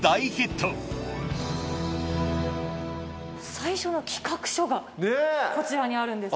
最初の企画書がこちらにあるんです。